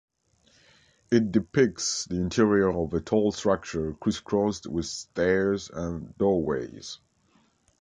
It depicts the interior of a tall structure crisscrossed with stairs and doorways.